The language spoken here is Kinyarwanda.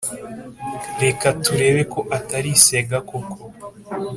reka turebe ko atari isega koko.